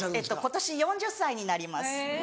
今年４０歳になります。